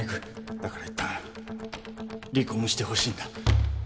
だからいったん離婚してほしいんだ。